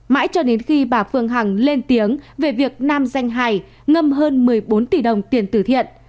mãi cho đến khi bà phương hằng lên tiếng về việc nam danh hải ngâm hơn một mươi bốn tỷ đồng tiền tử thiện